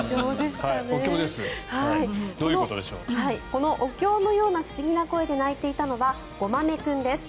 このお経のような不思議な声で鳴いていたのはごまめ君です。